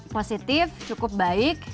positif cukup baik